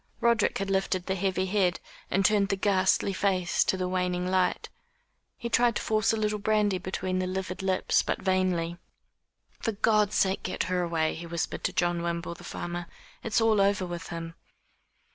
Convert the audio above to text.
Roderick had lifted the heavy head, and turned the ghastly face to the waning light. He tried to force a little brandy between the livid lips but vainly. "For God's sake get her away," he whispered to John Wimble, the farmer. "It's all over with him."